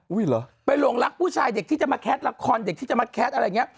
เหรอไปหลงรักผู้ชายเด็กที่จะมาแคทละครเด็กที่จะมาแคสต์อะไรอย่างนี้